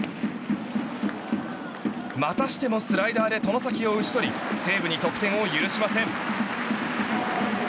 またしてもスライダーで外崎を打ち取り西武に得点を許しません。